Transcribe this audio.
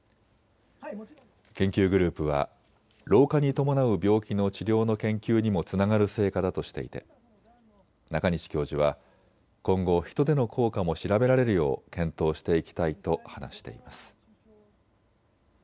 研究グループは老化に伴う病気の治療の研究にもつながる成果だとしていて中西教授は今後、人での効果も調べられるよう検討していきたいと話しています。